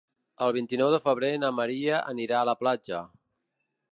El vint-i-nou de febrer na Maria anirà a la platja.